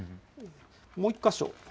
もう１か所。